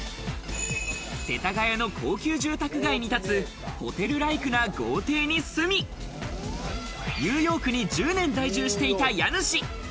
世田谷の高級住宅街に立つホテルライクな豪邸に住み、ニューヨーク１０年在住していた家主。